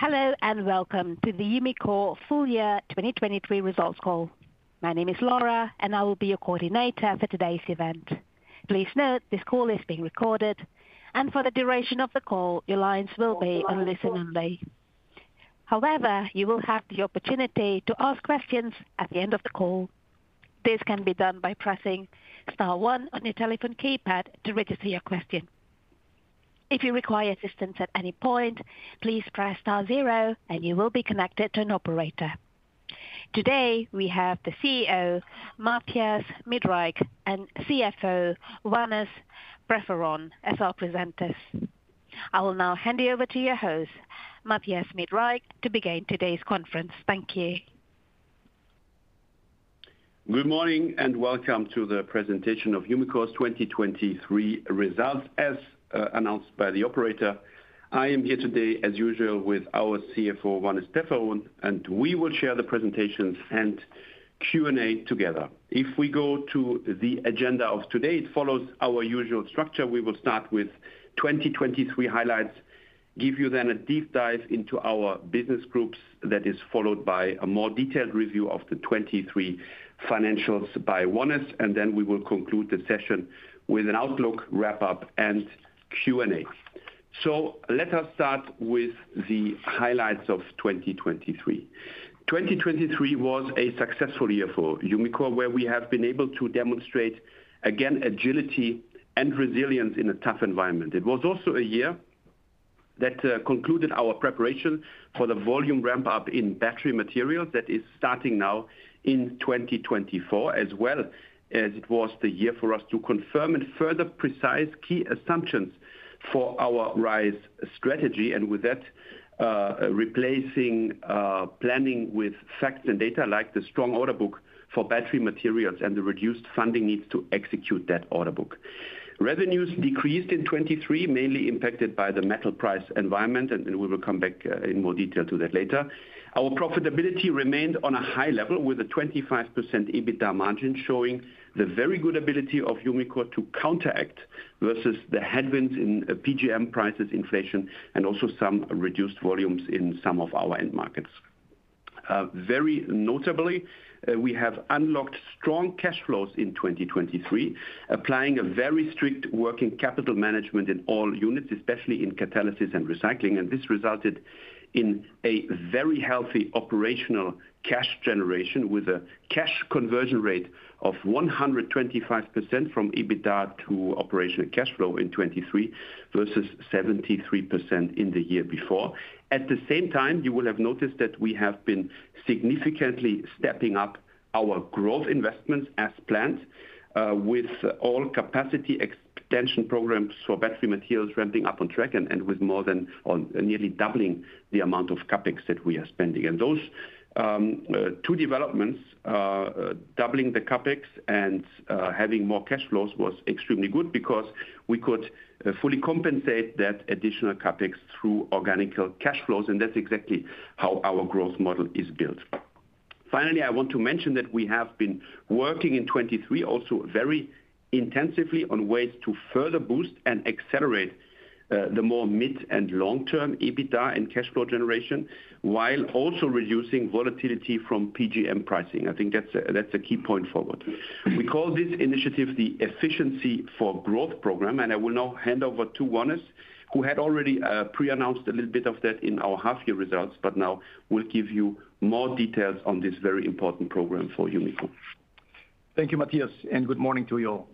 Hello and welcome to the Umicore Full Year 2023 Results Call. My name is Laura and I will be your coordinator for today's event. Please note this call is being recorded and for the duration of the call your lines will be on listen only. However, you will have the opportunity to ask questions at the end of the call. This can be done by pressing star one on your telephone keypad to register your question. If you require assistance at any point, please press star zero and you will be connected to an operator. Today we have the CEO, Mathias Miedreich, and CFO, Wannes Peferoen, as our presenters. I will now hand you over to your host, Mathias Miedreich, to begin today's conference. Thank you. Good morning and welcome to the presentation of Umicore's 2023 results, as announced by the operator. I am here today, as usual, with our CFO, Wannes Peferoen, and we will share the presentations and Q&A together. If we go to the agenda of today, it follows our usual structure. We will start with 2023 highlights, give you then a deep dive into our business groups, that is followed by a more detailed review of the 2023 financials by Wannes, and then we will conclude the session with an outlook wrap-up and Q&A. So let us start with the highlights of 2023. 2023 was a successful year for Umicore, where we have been able to demonstrate, again, agility and resilience in a tough environment. It was also a year that concluded our preparation for the volume ramp-up in battery materials that is starting now in 2024, as well as it was the year for us to confirm and further precise key assumptions for our RISE strategy, and with that, replacing planning with facts and data, like the strong order book for battery materials and the reduced funding needs to execute that order book. Revenues decreased in 2023, mainly impacted by the metal price environment, and we will come back in more detail to that later. Our profitability remained on a high level, with a 25% EBITDA margin showing the very good ability of Umicore to counteract versus the headwinds in PGM prices, inflation, and also some reduced volumes in some of our end markets. Very notably, we have unlocked strong cash flows in 2023, applying a very strict working capital management in all units, especially in catalysis and recycling, and this resulted in a very healthy operational cash generation, with a cash conversion rate of 125% from EBITDA to operational cash flow in 2023, versus 73% in the year before. At the same time, you will have noticed that we have been significantly stepping up our growth investments as planned, with all capacity expansion programs for battery materials ramping up on track and with more than or nearly doubling the amount of CAPEX that we are spending. And those two developments, doubling the CAPEX and having more cash flows, was extremely good because we could fully compensate that additional CAPEX through organic cash flows, and that's exactly how our growth model is built. Finally, I want to mention that we have been working in 2023 also very intensively on ways to further boost and accelerate the more mid and long-term EBITDA and cash flow generation, while also reducing volatility from PGM pricing. I think that's a key point forward. We call this initiative the Efficiency for Growth Program, and I will now hand over to Wannes, who had already pre-announced a little bit of that in our half-year results, but now will give you more details on this very important program for Umicore. Thank you, Mathias, and good morning to you all.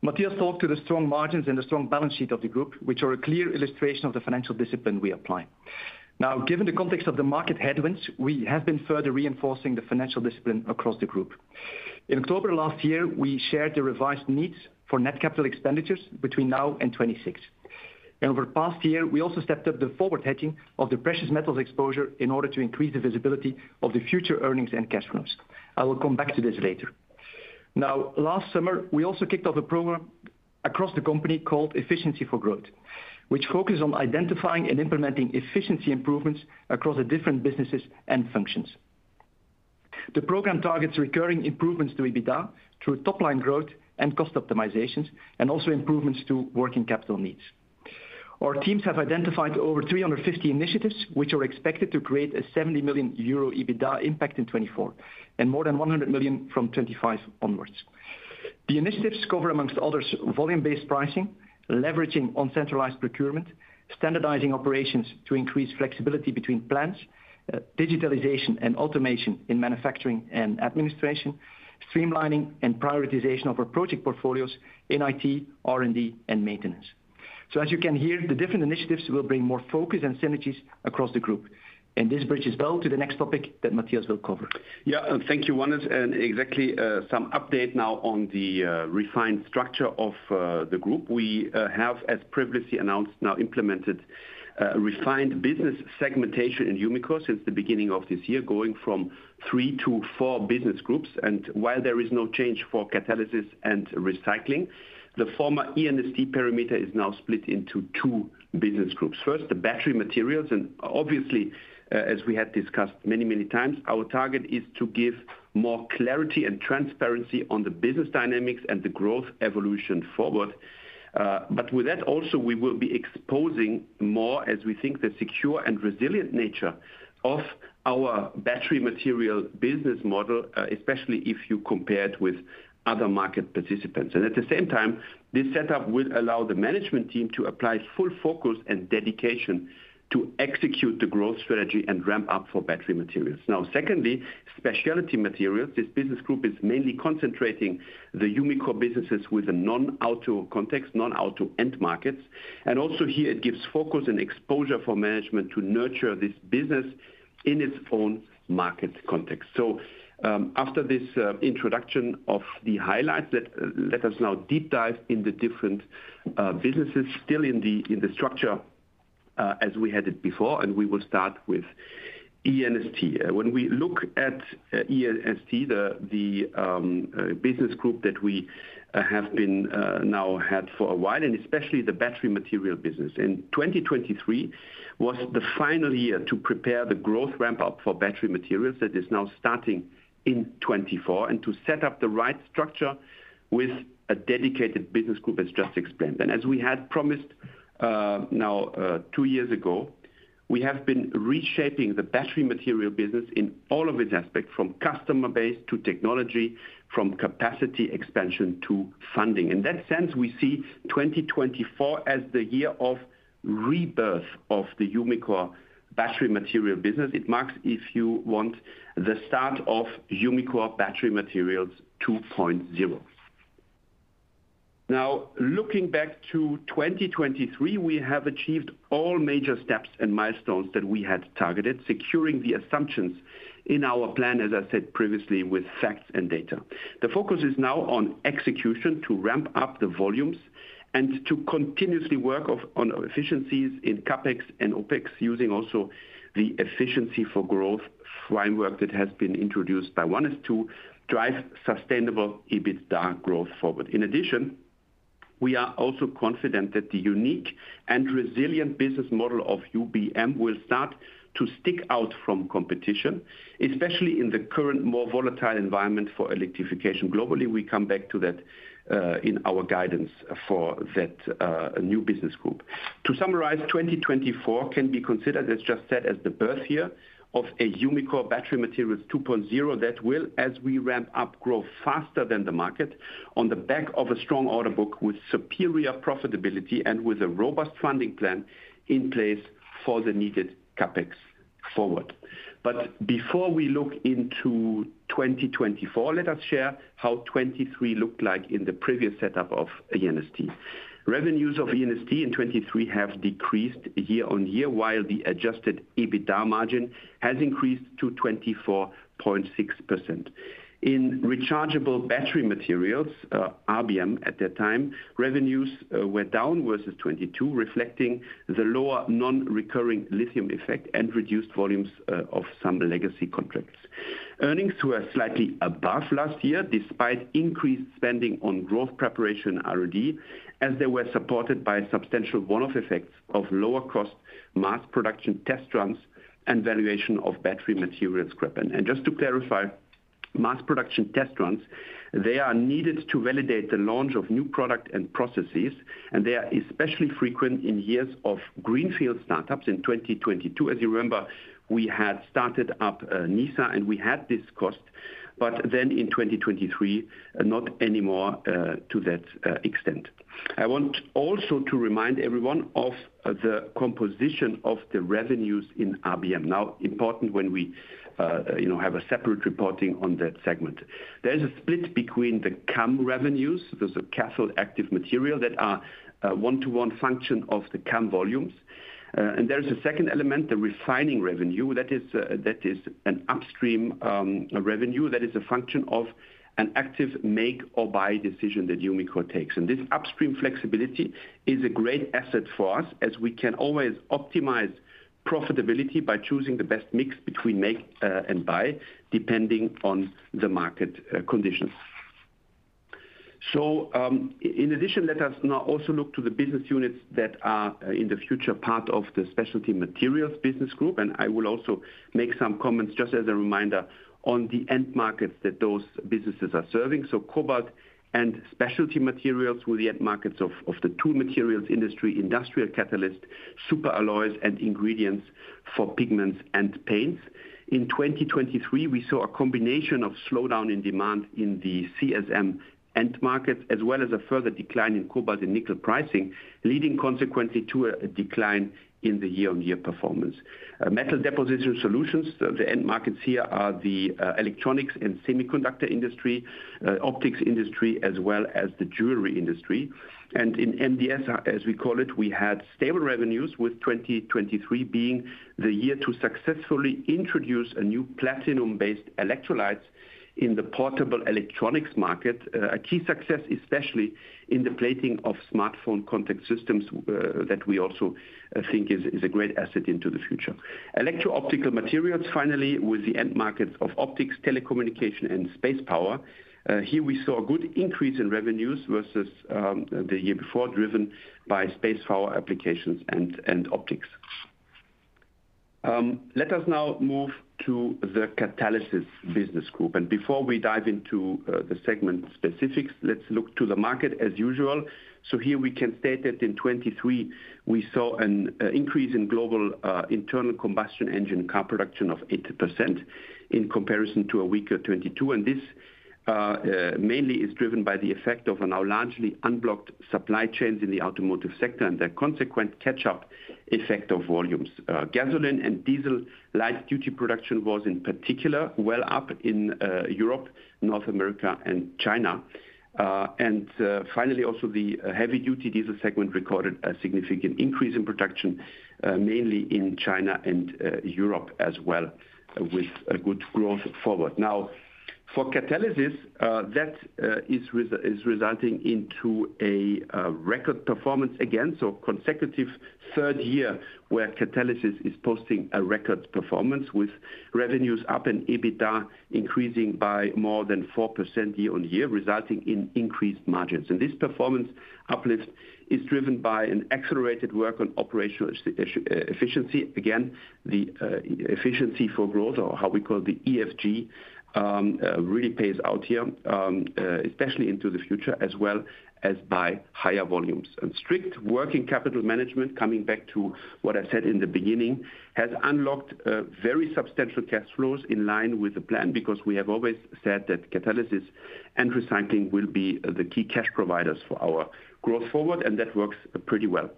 Mathias talked to the strong margins and the strong balance sheet of the group, which are a clear illustration of the financial discipline we apply. Now, given the context of the market headwinds, we have been further reinforcing the financial discipline across the group. In October last year, we shared the revised needs for net capital expenditures between now and 2026. And over the past year, we also stepped up the forward hedging of the precious metals exposure in order to increase the visibility of the future earnings and cash flows. I will come back to this later. Now, last summer, we also kicked off a program across the company called Efficiency for Growth, which focuses on identifying and implementing efficiency improvements across the different businesses and functions. The program targets recurring improvements to EBITDA through top-line growth and cost optimizations, and also improvements to working capital needs. Our teams have identified over 350 initiatives, which are expected to create a 70 million euro EBITDA impact in 2024, and more than 100 million from 2025 onwards. The initiatives cover, among others, volume-based pricing, leveraging decentralized procurement, standardizing operations to increase flexibility between plants, digitalization and automation in manufacturing and administration, streamlining and prioritization of our project portfolios in IT, R&D, and maintenance. So, as you can hear, the different initiatives will bring more focus and synergies across the group, and this bridges well to the next topic that Mathias will cover. Yeah, thank you, Wannes. And exactly some update now on the refined structure of the group. We have, as previously announced, now implemented refined business segmentation in Umicore since the beginning of this year, going from three to four business groups. And while there is no change for Catalysis and Recycling, the former ENST parameter is now split into two business groups. First, the Battery Materials. And obviously, as we had discussed many, many times, our target is to give more clarity and transparency on the business dynamics and the growth evolution forward. But with that, also, we will be exposing more as we think the secure and resilient nature of our battery material business model, especially if you compare it with other market participants. And at the same time, this setup will allow the management team to apply full focus and dedication to execute the growth strategy and ramp up for battery materials. Now, secondly, specialty materials, this business group is mainly concentrating the Umicore businesses with a non-auto context, non-auto end markets. And also here, it gives focus and exposure for management to nurture this business in its own market context. So, after this introduction of the highlights, let us now deep dive into the different businesses, still in the structure as we had it before, and we will start with ENST. When we look at ENST, the business group that we have now had for a while, and especially the battery material business, and 2023 was the final year to prepare the growth ramp-up for battery materials that is now starting in 2024, and to set up the right structure with a dedicated business group, as just explained. As we had promised now two years ago, we have been reshaping the battery material business in all of its aspects, from customer base to technology, from capacity expansion to funding. In that sense, we see 2024 as the year of rebirth of the Umicore battery material business. It marks, if you want, the start of Umicore Battery Materials 2.0. Now, looking back to 2023, we have achieved all major steps and milestones that we had targeted, securing the assumptions in our plan, as I said previously, with facts and data. The focus is now on execution to ramp up the volumes and to continuously work on efficiencies in CAPEX and OPEX, using also the Efficiency for Growth framework that has been introduced by Wannes to drive sustainable EBITDA growth forward. In addition, we are also confident that the unique and resilient business model of UBM will start to stick out from competition, especially in the current more volatile environment for electrification globally. We come back to that in our guidance for that new business group. To summarize, 2024 can be considered, as just said, as the birth year of a Umicore battery materials 2.0 that will, as we ramp up, grow faster than the market, on the back of a strong order book with superior profitability and with a robust funding plan in place for the needed CAPEX forward. But before we look into 2024, let us share how 2023 looked like in the previous setup of ENST. Revenues of ENST in 2023 have decreased year-on-year, while the adjusted EBITDA margin has increased to 24.6%. In Rechargeable Battery Materials, RBM at that time, revenues were down versus 2022, reflecting the lower non-recurring lithium effect and reduced volumes of some legacy contracts. Earnings were slightly above last year, despite increased spending on growth preparation and R&D, as they were supported by substantial one-off effects of lower-cost mass production test runs and valuation of battery material scrapping. And just to clarify, mass production test runs, they are needed to validate the launch of new products and processes, and they are especially frequent in years of greenfield startups. In 2022, as you remember, we had started up Nysa and we had this cost, but then in 2023, not anymore to that extent. I want also to remind everyone of the composition of the revenues in RBM. Now, important when we have a separate reporting on that segment. There is a split between the CAM revenues, those are cathode-active material that are one-to-one functions of the CAM volumes. And there is a second element, the refining revenue, that is an upstream revenue that is a function of an active make-or-buy decision that Umicore takes. And this upstream flexibility is a great asset for us, as we can always optimize profitability by choosing the best mix between make and buy, depending on the market conditions. So, in addition, let us now also look to the business units that are in the future part of the Specialty Materials business group, and I will also make some comments, just as a reminder, on the end markets that those businesses are serving. So, Cobalt and Specialty Materials were the end markets of the tool materials industry, industrial catalysts, super alloys, and ingredients for pigments and paints. In 2023, we saw a combination of slowdown in demand in the CSM end markets, as well as a further decline in cobalt and nickel pricing, leading consequently to a decline in the year-on-year performance. Metal Deposition Solutions, the end markets here, are the electronics and semiconductor industry, optics industry, as well as the jewelry industry. In MDS, as we call it, we had stable revenues, with 2023 being the year to successfully introduce new platinum-based electrolytes in the portable electronics market, a key success especially in the plating of smartphone contact systems that we also think is a great asset into the future. Electro-Optic Materials, finally, were the end markets of optics, telecommunication, and space power. Here, we saw a good increase in revenues versus the year before, driven by space power applications and optics. Let us now move to the Catalysis business group. Before we dive into the segment specifics, let's look to the market, as usual. Here we can state that in 2023, we saw an increase in global internal combustion engine car production of 8% in comparison to a weaker 2022, and this mainly is driven by the effect of a now largely unblocked supply chain in the automotive sector and the consequent catch-up effect of volumes. Gasoline and diesel light-duty production was, in particular, well up in Europe, North America, and China. Finally, also, the heavy-duty diesel segment recorded a significant increase in production, mainly in China and Europe as well, with good growth forward. Now, for Catalysis, that is resulting into a record performance again, so consecutive third year where Catalysis is posting a record performance, with revenues up and EBITDA increasing by more than 4% year-on-year, resulting in increased margins. This performance uplift is driven by an accelerated work on operational efficiency. Again, the Efficiency for Growth, or how we call the EFG, really pays out here, especially into the future, as well as by higher volumes. Strict working capital management, coming back to what I said in the beginning, has unlocked very substantial cash flows in line with the plan, because we have always said that Catalysis and Recycling will be the key cash providers for our growth forward, and that works pretty well.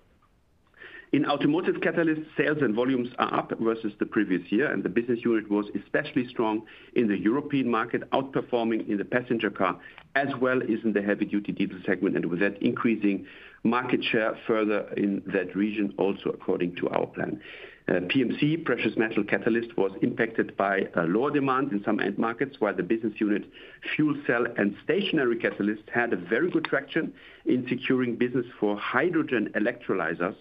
In Automotive Catalysts, sales and volumes are up versus the previous year, and the business unit was especially strong in the European market, outperforming in the passenger car as well as in the heavy-duty diesel segment, and with that increasing market share further in that region, also according to our plan. PMC, Precious Metal Catalyst, was impacted by lower demand in some end markets, while the business unit Fuel Cell and Stationary Catalysts had very good traction in securing business for hydrogen electrolyzers.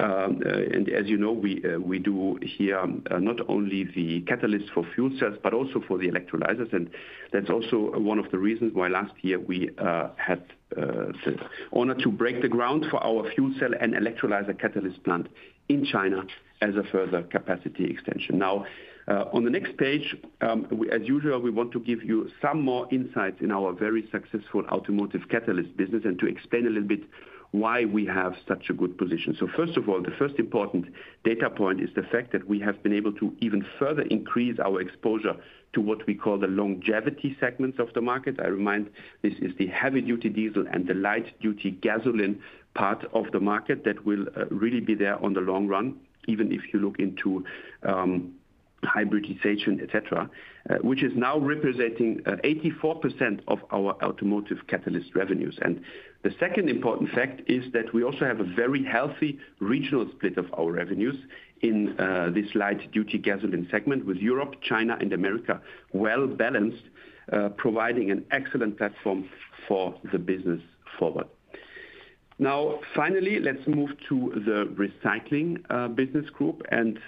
As you know, we do here not only the catalysts for fuel cells, but also for the electrolyzers. That's also one of the reasons why last year we had the honor to break ground for our fuel cell and electrolyzer catalyst plant in China as a further capacity extension. Now, on the next page, as usual, we want to give you some more insights in our very successful automotive catalyst business and to explain a little bit why we have such a good position. So, first of all, the first important data point is the fact that we have been able to even further increase our exposure to what we call the longevity segments of the market. I remind, this is the heavy-duty diesel and the light-duty gasoline part of the market that will really be there on the long run, even if you look into hybridization, et cetera, which is now representing 84% of our automotive catalyst revenues. The second important fact is that we also have a very healthy regional split of our revenues in this light-duty gasoline segment, with Europe, China, and America well balanced, providing an excellent platform for the business forward. Now, finally, let's move to the recycling business group. And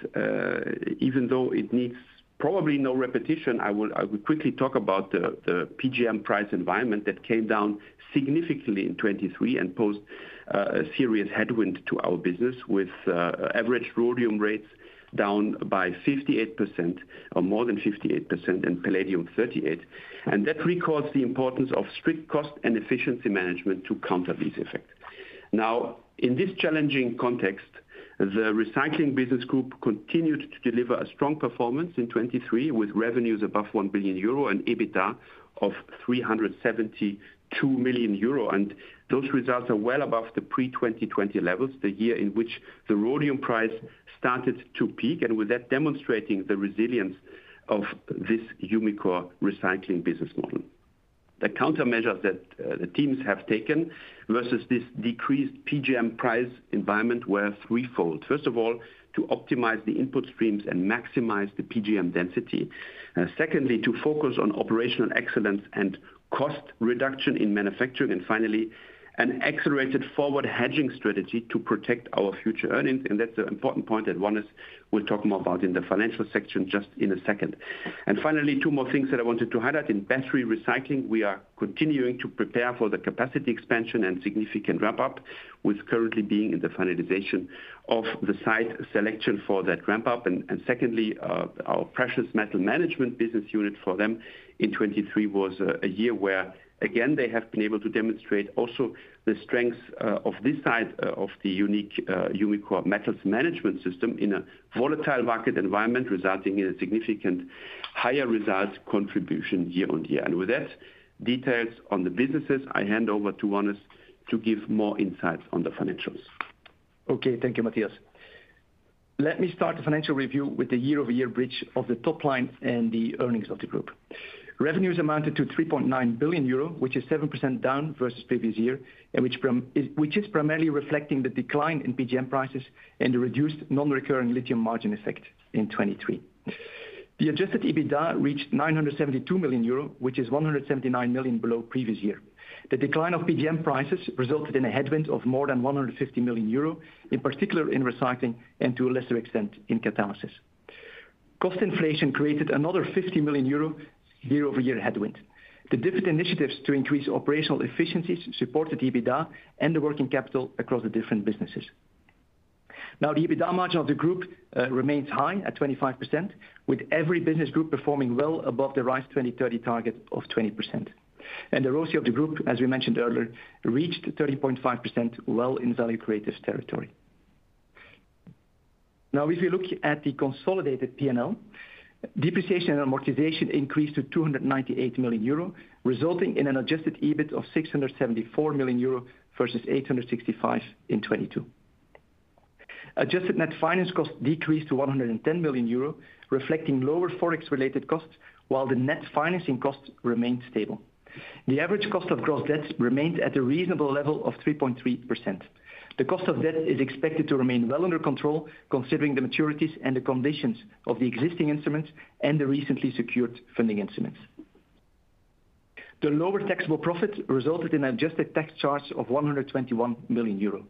even though it needs probably no repetition, I will quickly talk about the PGM price environment that came down significantly in 2023 and posed a serious headwind to our business, with average rhodium rates down by 58%, or more than 58%, and palladium 38%. And that records the importance of strict cost and efficiency management to counter these effects. Now, in this challenging context, the recycling business group continued to deliver a strong performance in 2023, with revenues above 1 billion euro and EBITDA of 372 million euro. And those results are well above the pre-2020 levels, the year in which the rhodium price started to peak, and with that demonstrating the resilience of this Umicore recycling business model. The countermeasures that the teams have taken versus this decreased PGM price environment were threefold. First of all, to optimize the input streams and maximize the PGM density. Secondly, to focus on operational excellence and cost reduction in manufacturing. And finally, an accelerated forward hedging strategy to protect our future earnings. And that's an important point that Wannes will talk more about in the financial section just in a second. And finally, two more things that I wanted to highlight. In battery recycling, we are continuing to prepare for the capacity expansion and significant ramp-up, with currently being in the finalization of the site selection for that ramp-up. And secondly, our precious metal management business unit for them in 2023 was a year where, again, they have been able to demonstrate also the strengths of this side of the unique Umicore metals management system in a volatile market environment, resulting in a significant higher result contribution year-over-year. And with that, details on the businesses, I hand over to Wannes to give more insights on the financials. Okay, thank you, Mathias. Let me start the financial review with the year-over-year bridge of the top line and the earnings of the group. Revenues amounted to 3.9 billion euro, which is 7% down versus previous year, and which is primarily reflecting the decline in PGM prices and the reduced non-recurring lithium margin effect in 2023. The adjusted EBITDA reached 972 million euro, which is 179 million below previous year. The decline of PGM prices resulted in a headwind of more than 150 million euro, in particular in recycling and to a lesser extent in catalysis. Cost inflation created another 50 million euro year-over-year headwind. The different initiatives to increase operational efficiencies supported EBITDA and the working capital across the different businesses. Now, the EBITDA margin of the group remains high at 25%, with every business group performing well above the RISE 2030 target of 20%. The ROCE of the group, as we mentioned earlier, reached 30.5%, well in value creative territory. Now, if we look at the consolidated P&L, depreciation and amortization increased to 298 million euro, resulting in an adjusted EBIT of 674 million euro versus 865 in 2022. Adjusted net finance costs decreased to 110 million euro, reflecting lower Forex-related costs, while the net financing costs remained stable. The average cost of gross debt remained at a reasonable level of 3.3%. The cost of debt is expected to remain well under control, considering the maturities and the conditions of the existing instruments and the recently secured funding instruments. The lower taxable profit resulted in an adjusted tax charge of 121 million euro.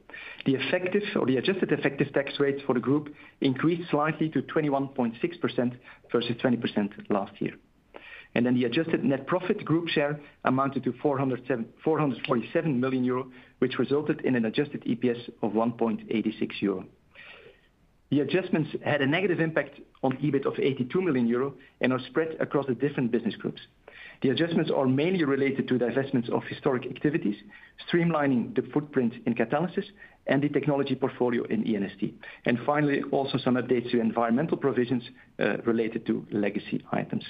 The effective, or the adjusted effective tax rate for the group, increased slightly to 21.6% versus 20% last year. Then the adjusted net profit group share amounted to 447 million euro, which resulted in an adjusted EPS of 1.86 euro. The adjustments had a negative impact on EBIT of 82 million euro and are spread across the different business groups. The adjustments are mainly related to divestments of historic activities, streamlining the footprint in catalysis and the technology portfolio in ENST. And finally, also some updates to environmental provisions related to legacy items.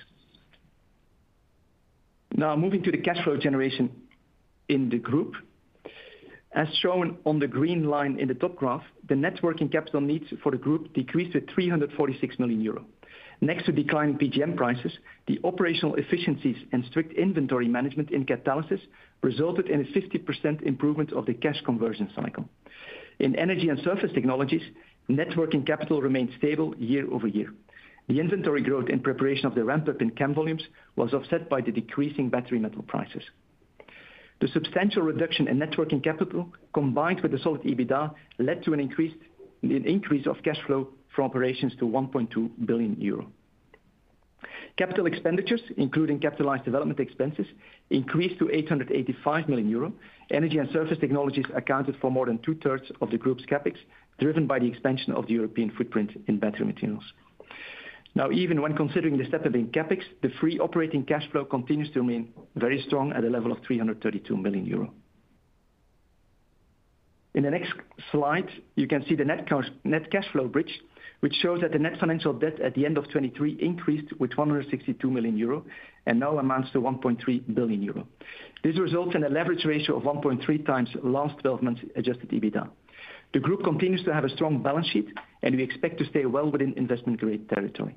Now, moving to the cash flow generation in the group. As shown on the green line in the top graph, the networking capital needs for the group decreased to 346 million euro. Next to declining PGM prices, the operational efficiencies and strict inventory management in catalysis resulted in a 50% improvement of the cash conversion cycle. In energy and surface technologies, net working capital remained stable year-over-year. The inventory growth in preparation of the ramp-up in CAM volumes was offset by the decreasing battery metal prices. The substantial reduction in net working capital, combined with the solid EBITDA, led to an increase of cash flow from operations to 1.2 billion euro. Capital expenditures, including capitalized development expenses, increased to 885 million euro. Energy and Surface Technologies accounted for more than two-thirds of the group's CAPEX, driven by the expansion of the European footprint in battery materials. Now, even when considering the step-up in CAPEX, the free operating cash flow continues to remain very strong at a level of 332 million euro. In the next slide, you can see the net cash flow bridge, which shows that the net financial debt at the end of 2023 increased with 162 million euro and now amounts to 1.3 billion euro. This results in a leverage ratio of 1.3x LTM adjusted EBITDA. The group continues to have a strong balance sheet, and we expect to stay well within investment-grade territory.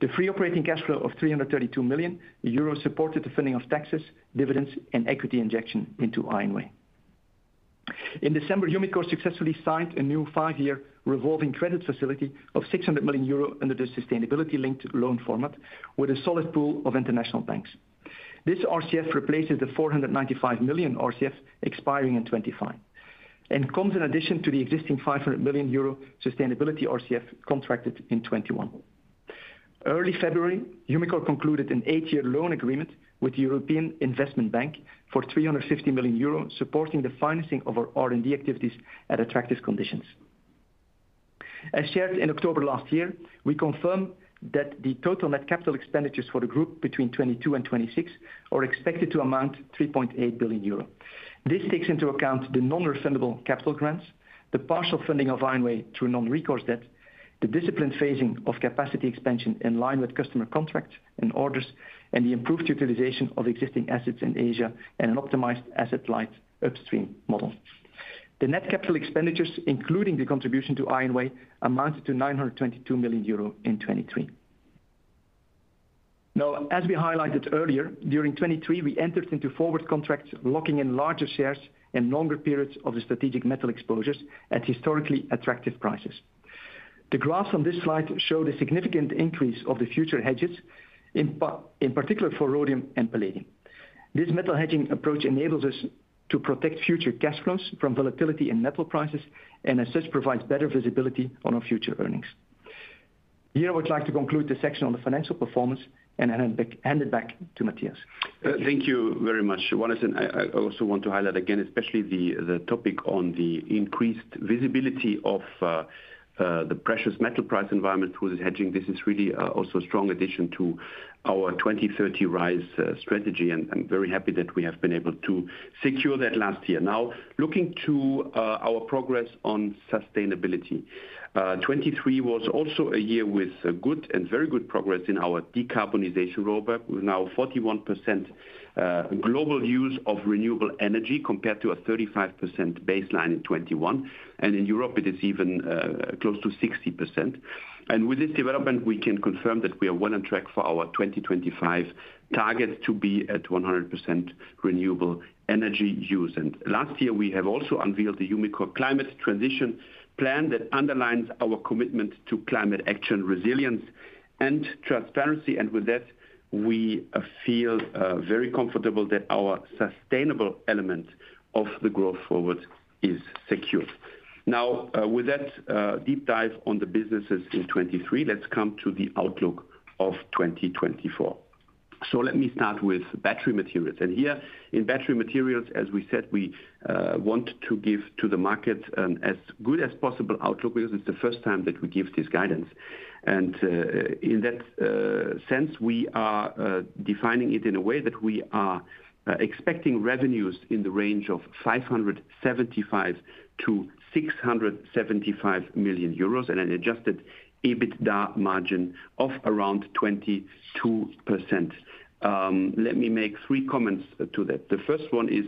The free operating cash flow of 332 million euros supported the funding of taxes, dividends, and equity injection into IONWAY. In December, Umicore successfully signed a new five-year revolving credit facility of 600 million euro under the sustainability-linked loan format, with a solid pool of international banks. This RCF replaces the 495 million RCF expiring in 2025 and comes in addition to the existing 500 million euro sustainability RCF contracted in 2021. Early February, Umicore concluded an eight-year loan agreement with the European Investment Bank for 350 million euros, supporting the financing of our R&D activities at attractive conditions. As shared in October last year, we confirm that the total net capital expenditures for the group between 2022 and 2026 are expected to amount to 3.8 billion euro. This takes into account the non-refundable capital grants, the partial funding of IONWAY through non-recourse debt, the disciplined phasing of capacity expansion in line with customer contracts and orders, and the improved utilization of existing assets in Asia and an optimized asset light upstream model. The net capital expenditures, including the contribution to IONWAY, amounted to 922 million euro in 2023. Now, as we highlighted earlier, during 2023, we entered into forward contracts locking in larger shares and longer periods of the strategic metal exposures at historically attractive prices. The graphs on this slide show the significant increase of the future hedges, in particular for rhodium and palladium. This metal hedging approach enables us to protect future cash flows from volatility in metal prices, and as such, provides better visibility on our future earnings. Here, I would like to conclude the section on the financial performance and hand it back to Mathias. Thank you very much, Wannes. And I also want to highlight again, especially the topic on the increased visibility of the precious metal price environment through this hedging. This is really also a strong addition to our RISE 2030 strategy. And I'm very happy that we have been able to secure that last year. Now, looking to our progress on sustainability. 2023 was also a year with good and very good progress in our decarbonization roadmap, with now 41% global use of renewable energy compared to a 35% baseline in 2021. And in Europe, it is even close to 60%. And with this development, we can confirm that we are well on track for our 2025 target to be at 100% renewable energy use. And last year, we have also unveiled the Umicore climate transition plan that underlines our commitment to climate action, resilience, and transparency. And with that, we feel very comfortable that our sustainable element of the growth forward is secured. Now, with that deep dive on the businesses in 2023, let's come to the outlook of 2024. So let me start with battery materials. And here, in battery materials, as we said, we want to give to the market an as good as possible outlook, because it's the first time that we give this guidance. In that sense, we are defining it in a way that we are expecting revenues in the range of 575 million-675 million euros and an adjusted EBITDA margin of around 22%. Let me make three comments to that. The first one is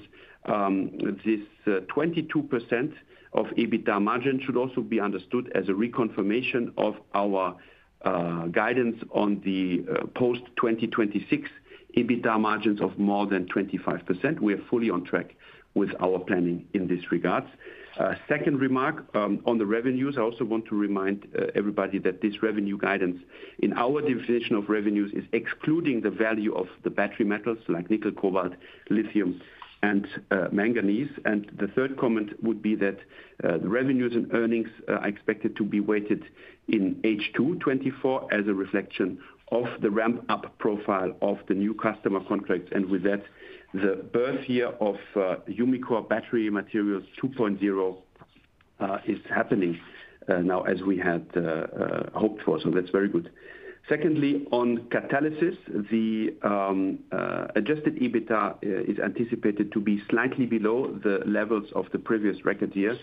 this 22% EBITDA margin should also be understood as a reconfirmation of our guidance on the post-2026 EBITDA margins of more than 25%. We are fully on track with our planning in this regard. Second remark on the revenues, I also want to remind everybody that this revenue guidance, in our definition of revenues, is excluding the value of the battery metals like nickel, cobalt, lithium, and manganese. The third comment would be that the revenues and earnings are expected to be weighted in H2 2024 as a reflection of the ramp-up profile of the new customer contracts. And with that, the birth year of Umicore Battery Materials 2.0 is happening now as we had hoped for. So that's very good. Secondly, on Catalysis, the adjusted EBITDA is anticipated to be slightly below the levels of the previous record year,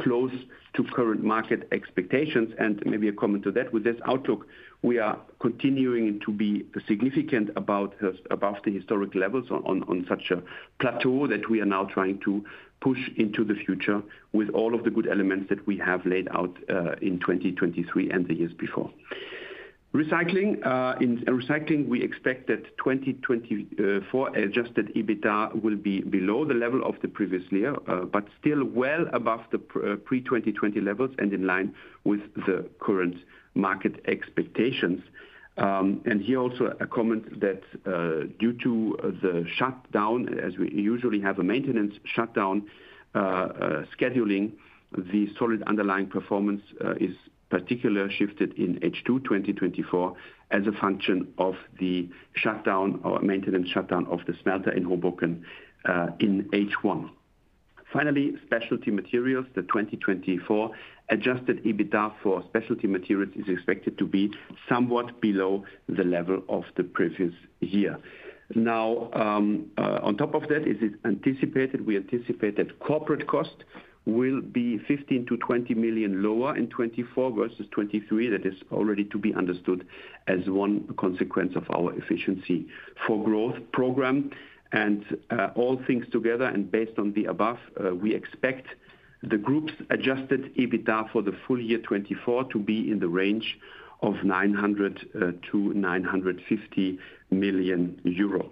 close to current market expectations. And maybe a comment to that. With this outlook, we are continuing to be significant above the historic levels on such a plateau that we are now trying to push into the future with all of the good elements that we have laid out in 2023 and the years before. Recycling: In Recycling, we expect that 2024 adjusted EBITDA will be below the level of the previous year, but still well above the pre-2020 levels and in line with the current market expectations. And here also a comment that due to the shutdown, as we usually have a maintenance shutdown scheduling, the solid underlying performance is particularly shifted in H2 2024 as a function of the shutdown, or maintenance shutdown, of the smelter in Hoboken in H1. Finally, Specialty Materials: the 2024 adjusted EBITDA for Specialty Materials is expected to be somewhat below the level of the previous year. Now, on top of that, is it anticipated we anticipate that corporate cost will be 15 million-20 million lower in 2024 versus 2023. That is already to be understood as one consequence of our Efficiency for Growth program. And all things together and based on the above, we expect the group's adjusted EBITDA for the full year 2024 to be in the range of 900 million-950 million euro.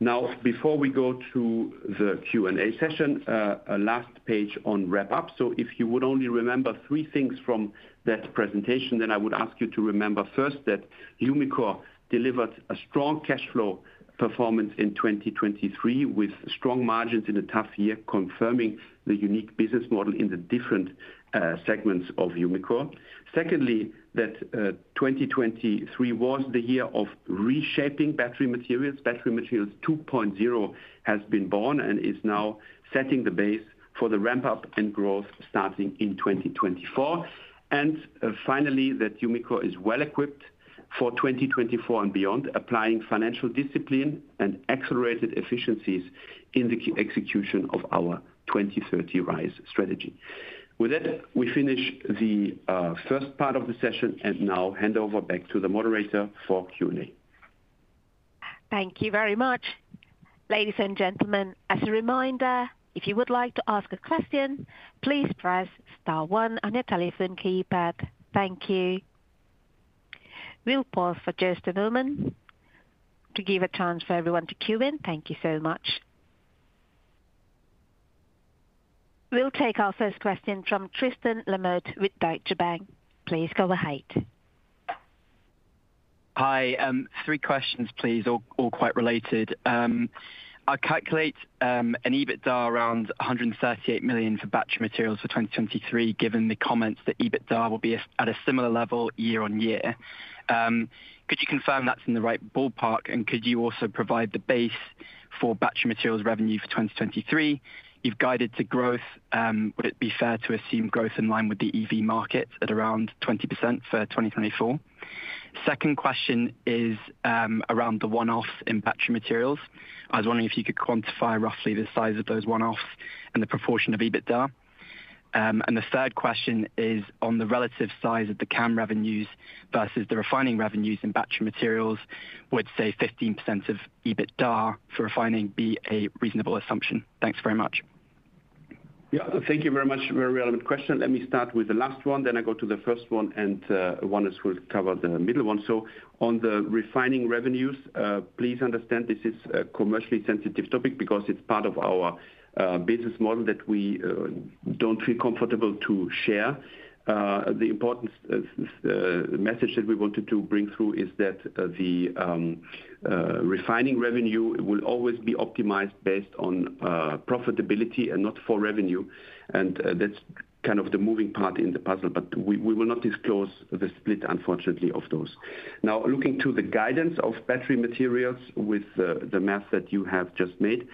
Now, before we go to the Q&A session, a last page on wrap-up. So if you would only remember three things from that presentation, then I would ask you to remember first that Umicore delivered a strong cash flow performance in 2023 with strong margins in a tough year, confirming the unique business model in the different segments of Umicore. Secondly, that 2023 was the year of reshaping battery materials. Battery materials 2.0 has been born and is now setting the base for the ramp-up and growth starting in 2024. And finally, that Umicore is well equipped for 2024 and beyond, applying financial discipline and accelerated efficiencies in the execution of our 2030 RISE strategy. With that, we finish the first part of the session and now hand over back to the moderator for Q&A. Thank you very much, ladies and gentlemen. As a reminder, if you would like to ask a question, please press star one on your telephone keypad. Thank you. We'll pause for just a moment to give a chance for everyone to cue in. Thank you so much. We'll take our first question from Tristan Lamotte with Deutsche Bank. Please go ahead. Hi. Three questions, please, all quite related. I calculate an EBITDA around 138 million for battery materials for 2023, given the comments that EBITDA will be at a similar level year-on-year. Could you confirm that's in the right ballpark? And could you also provide the base for battery materials revenue for 2023? You've guided to growth. Would it be fair to assume growth in line with the EV market at around 20% for 2024? Second question is around the one-offs in battery materials. I was wondering if you could quantify roughly the size of those one-offs and the proportion of EBITDA. The third question is on the relative size of the CAM revenues versus the refining revenues in battery materials. Would, say, 15% of EBITDA for refining be a reasonable assumption? Thanks very much. Yeah, thank you very much. Very relevant question. Let me start with the last one, then I go to the first one, and Wannes will cover the middle one. So on the refining revenues, please understand this is a commercially sensitive topic because it's part of our business model that we don't feel comfortable to share. The important message that we wanted to bring through is that the refining revenue will always be optimized based on profitability and not for revenue. And that's kind of the moving part in the puzzle. But we will not disclose the split, unfortunately, of those. Now, looking to the guidance of battery materials with the math that you have just made,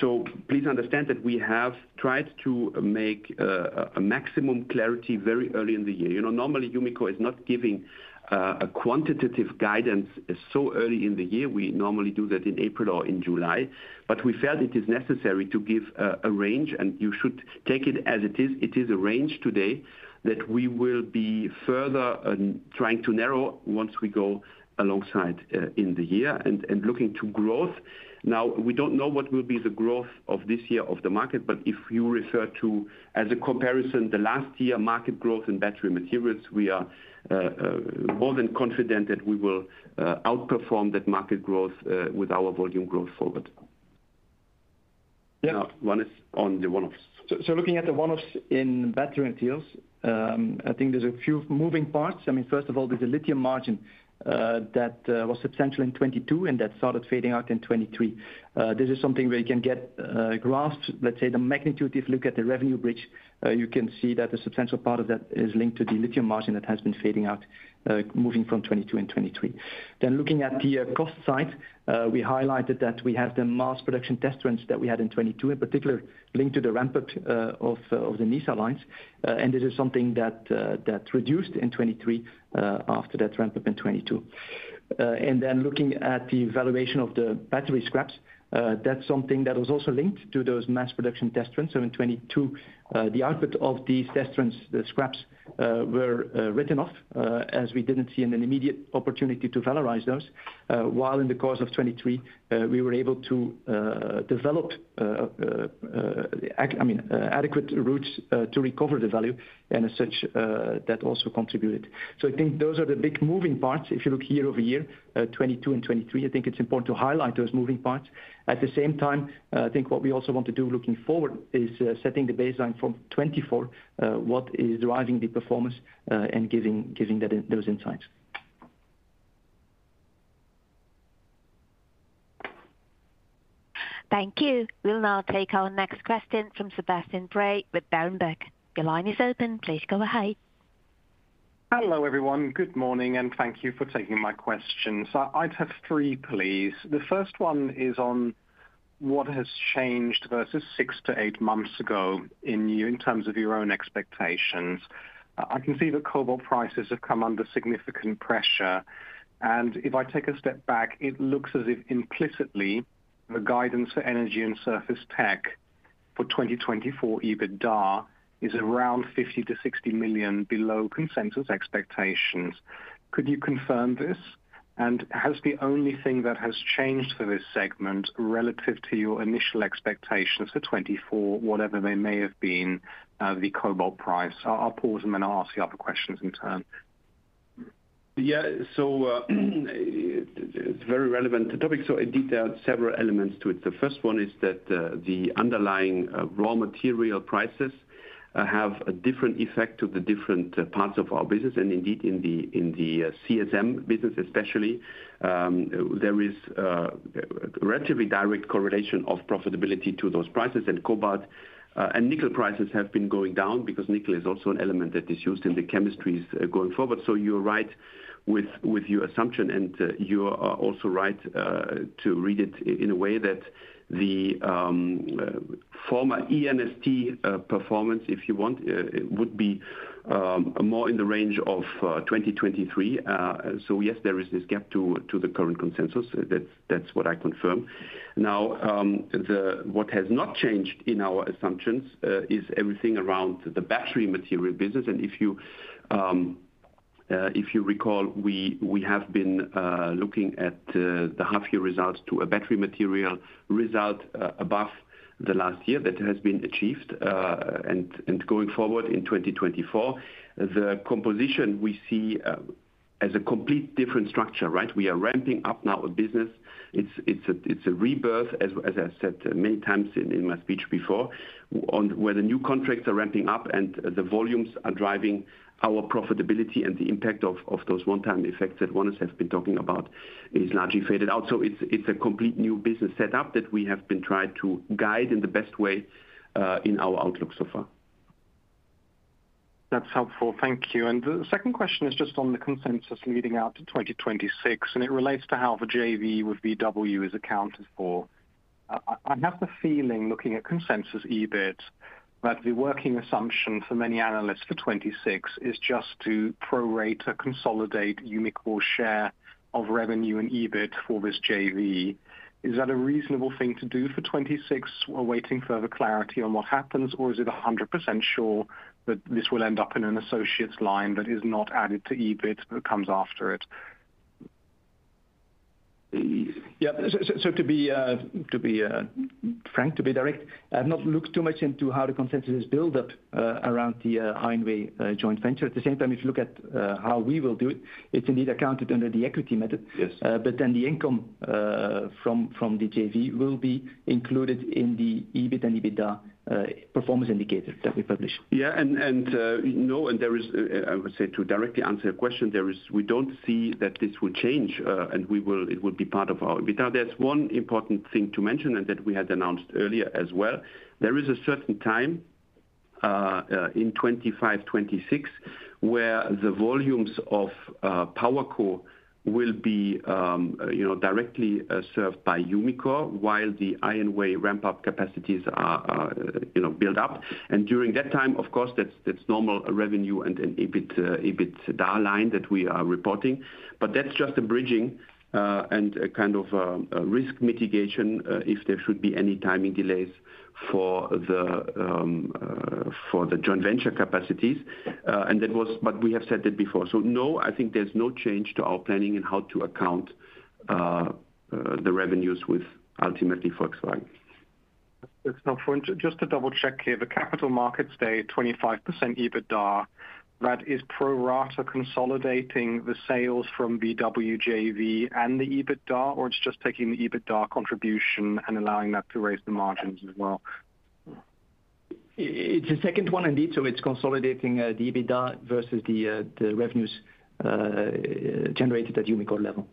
so please understand that we have tried to make a maximum clarity very early in the year. Normally, Umicore is not giving a quantitative guidance so early in the year. We normally do that in April or in July. But we felt it is necessary to give a range. And you should take it as it is. It is a range today that we will be further trying to narrow once we go alongside in the year and looking to growth. Now, we don't know what will be the growth of this year of the market. But if you refer to as a comparison, the last year market growth in battery materials, we are more than confident that we will outperform that market growth with our volume growth forward. Yeah, Wannes on the one-offs. So looking at the one-offs in battery materials, I think there's a few moving parts. I mean, first of all, there's a lithium margin that was substantial in 2022 and that started fading out in 2023. This is something where you can get graphs. Let's say the magnitude, if you look at the revenue bridge, you can see that a substantial part of that is linked to the lithium margin that has been fading out, moving from 2022 and 2023. Then looking at the cost side, we highlighted that we have the mass production test runs that we had in 2022, in particular linked to the ramp-up of the Nysa lines. And this is something that reduced in 2023 after that ramp-up in 2022. And then looking at the valuation of the battery scraps, that's something that was also linked to those mass production test runs. So in 2022, the output of these test runs, the scraps, were written off, as we didn't see an immediate opportunity to valorize those. While in the course of 2023, we were able to develop, I mean, adequate routes to recover the value. And as such, that also contributed. So I think those are the big moving parts. If you look year over year, 2022 and 2023, I think it's important to highlight those moving parts. At the same time, I think what we also want to do looking forward is setting the baseline for 2024, what is driving the performance and giving those insights. Thank you. We'll now take our next question from Sebastian Bray with Berenberg. Your line is open. Please go ahead. Hello, everyone. Good morning. And thank you for taking my questions. I'd have three, please. The first one is on what has changed versus 6-8 months ago in Umicore in terms of your own expectations. I can see that cobalt prices have come under significant pressure. And if I take a step back, it looks as if implicitly the guidance for Energy & Surface Technologies for 2024 EBITDA is around 50 million-60 million below consensus expectations. Could you confirm this? And has the only thing that has changed for this segment relative to your initial expectations for 2024, whatever they may have been, the cobalt price? I'll pause and then I'll ask the other questions in turn. Yeah. So it's a very relevant topic. So I detailed several elements to it. The first one is that the underlying raw material prices have a different effect to the different parts of our business. Indeed, in the CSM business especially, there is a relatively direct correlation of profitability to those prices. Cobalt and nickel prices have been going down because nickel is also an element that is used in the chemistries going forward. So you're right with your assumption. You're also right to read it in a way that the former ENST performance, if you want, would be more in the range of 2023. So yes, there is this gap to the current consensus. That's what I confirm. Now, what has not changed in our assumptions is everything around the battery material business. If you recall, we have been looking at the half-year results to a battery material result above the last year that has been achieved. Going forward in 2024, the composition we see as a complete different structure, right? We are ramping up now a business. It's a rebirth, as I said many times in my speech before, where the new contracts are ramping up and the volumes are driving our profitability. And the impact of those one-time effects that Wannes has been talking about is largely faded out. So it's a complete new business setup that we have been trying to guide in the best way in our outlook so far. That's helpful. Thank you. And the second question is just on the consensus leading out to 2026. And it relates to how the JV with BMW is accounted for. I have the feeling, looking at consensus EBIT, that the working assumption for many analysts for 2026 is just to prorate or consolidate Umicore's share of revenue and EBIT for this JV. Is that a reasonable thing to do for 2026, awaiting further clarity on what happens? Or is it 100% sure that this will end up in an associates line that is not added to EBIT but comes after it? Yeah. So to be frank, to be direct, I have not looked too much into how the consensus is built up around the IONWAY joint venture. At the same time, if you look at how we will do it, it's indeed accounted under the equity method. But then the income from the JV will be included in the EBIT and EBITDA performance indicator that we publish. Yeah. And no, and there is, I would say, to directly answer your question, there is we don't see that this will change and it will be part of our EBITDA. There's one important thing to mention and that we had announced earlier as well. There is a certain time in 2025, 2026 where the volumes of PowerCo will be directly served by Umicore while the IONWAY ramp-up capacities are built up. During that time, of course, that's normal revenue and an EBITDA line that we are reporting. But that's just a bridging and kind of risk mitigation if there should be any timing delays for the joint venture capacities. And that was but we have said that before. So no, I think there's no change to our planning in how to account the revenues with ultimately Volkswagen. That's helpful. And just to double-check here, the capital markets stay at 25% EBITDA. That is pro rata consolidating the sales from VW JV and the EBITDA? Or it's just taking the EBITDA contribution and allowing that to raise the margins as well? It's the second one, indeed. So it's consolidating the EBITDA versus the revenues generated at Umicore level.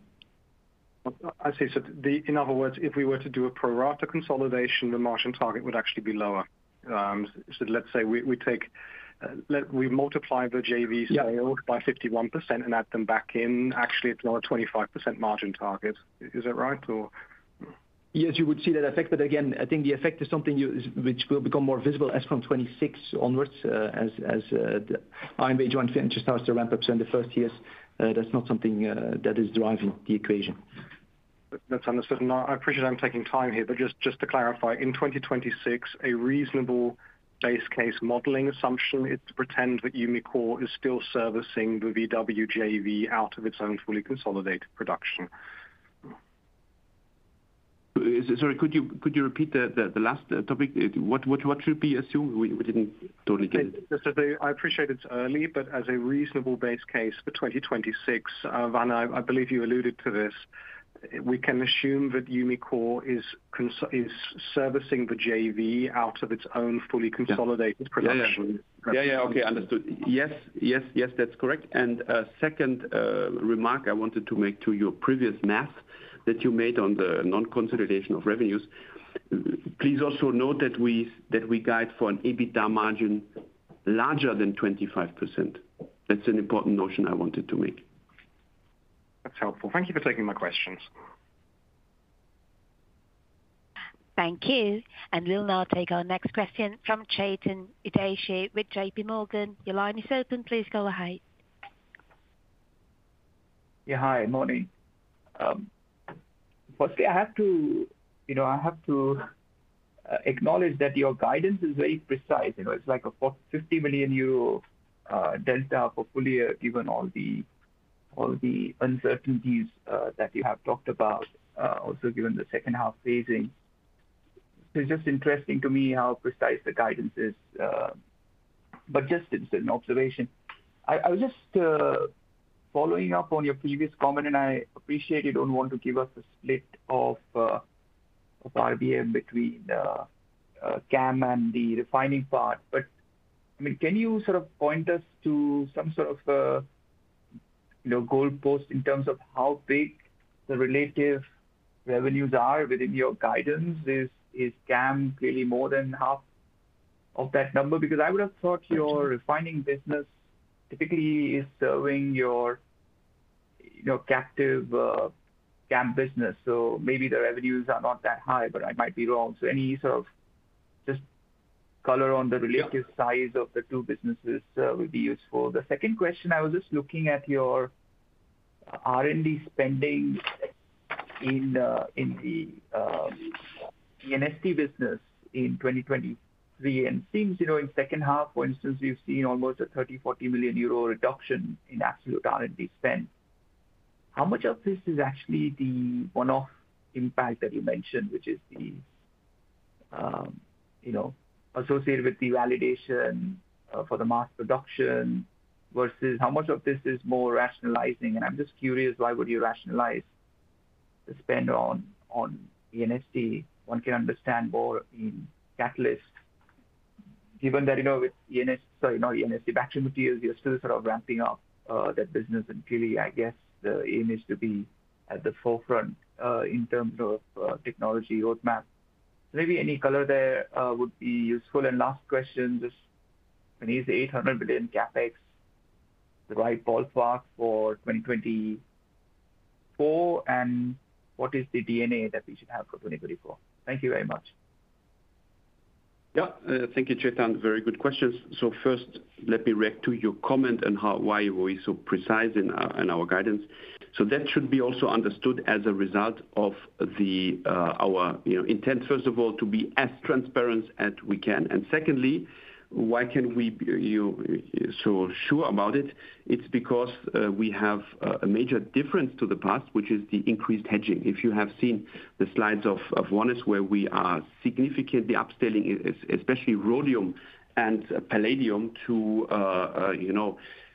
I see. So in other words, if we were to do a pro rata consolidation, the margin target would actually be lower. So let's say we multiply the JV sales by 51% and add them back in. Actually, it's not a 25% margin target. Is that right, or? Yes, you would see that effect. But again, I think the effect is something which will become more visible as from 2026 onwards. As the IONWAY joint venture starts to ramp up in the first years, that's not something that is driving the equation. That's understood. And I appreciate I'm taking time here. But just to clarify, in 2026, a reasonable base case modeling assumption is to pretend that Umicore is still servicing the BMW JV out of its own fully consolidated production. Sorry, could you repeat the last topic? What should we assume? We didn't totally get it. I appreciate it's early. But as a reasonable base case for 2026, Wannes, I believe you alluded to this, we can assume that Umicore is servicing the JV out of its own fully consolidated production. Yeah, yeah, yeah. Okay, understood. Yes, yes, yes, that's correct. And a second remark I wanted to make to your previous math that you made on the non-consolidation of revenues, please also note that we guide for an EBITDA margin larger than 25%. That's an important notion I wanted to make. That's helpful. Thank you for taking my questions. Thank you. And we'll now take our next question from Chetan Udeshi with JP Morgan. Your line is open. Please go ahead. Yeah, hi. Morning. Firstly, I have to I have to acknowledge that your guidance is very precise. It's like a 50 million euro delta for full year, given all the uncertainties that you have talked about, also given the second-half phasing. So it's just interesting to me how precise the guidance is. But just an observation. I was just following up on your previous comment. And I appreciate you don't want to give us a split of RBM between CAM and the refining part. But I mean, can you sort of point us to some sort of goalpost in terms of how big the relative revenues are within your guidance? Is CAM clearly more than half of that number? Because I would have thought your refining business typically is serving your captive CAM business. So maybe the revenues are not that high. But I might be wrong. So any sort of just color on the relative size of the two businesses would be useful. The second question, I was just looking at your R&D spending in the ENST business in 2023. It seems in second half, for instance, we've seen almost a 30 million-40 million euro reduction in absolute R&D spend. How much of this is actually the one-off impact that you mentioned, which is associated with the validation for the mass production, versus how much of this is more rationalizing? I'm just curious, why would you rationalize the spend on ENST? One can understand more in catalysts, given that with ENST, sorry, not ENST, battery materials, you're still sort of ramping up that business. Clearly, I guess the aim is to be at the forefront in terms of technology roadmap. So maybe any color there would be useful. Last question, just when is the 800 billion CAPEX the right ballpark for 2024? What is the D&A that we should have for 2024? Thank you very much. Yeah. Thank you, Chetan. Very good questions. So first, let me react to your comment and why we're so precise in our guidance. So that should be also understood as a result of our intent, first of all, to be as transparent as we can. And secondly, why can we be so sure about it? It's because we have a major difference to the past, which is the increased hedging. If you have seen the slides of Wannes, where we are significantly upscaling, especially rhodium and palladium, to